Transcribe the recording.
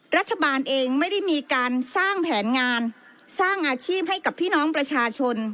รัฐบาลเองไม่ได้มีการสร้างแผนงานสร้างอาชีพให้กับพี่น้องประชาชน